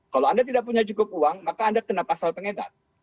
kalau anda tidak punya cukup uang maka anda kena pasal pengedar